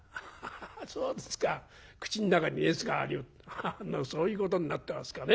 はあそういうことになってますかね。